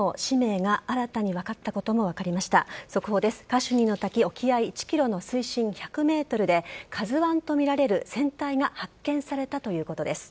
カシュニの滝、沖合１ｋｍの水深１００ｍで「ＫＡＺＵ１」とみられる船体が発見されたということです。